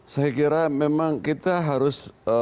saya kira memang kita harus